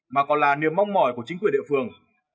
mà còn là niềm mong mỏi của chính quyền địa phương